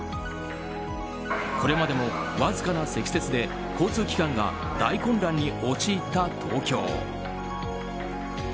これまでもわずかな積雪で交通機関が大混乱に陥った東京。